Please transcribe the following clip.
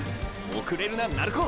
遅れるな鳴子！